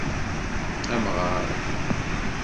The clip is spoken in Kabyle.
Amɣar.